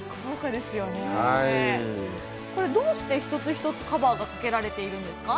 どうして一つ一つカバーがかけられているんですか？